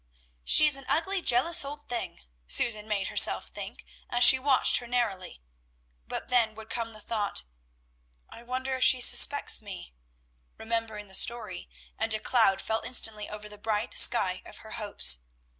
"She is an ugly, jealous old thing!" Susan made herself think, as she watched her narrowly; but then would come the thought, "I wonder if she suspects me?" remembering the story, and a cloud fell instantly over the bright sky of her hopes.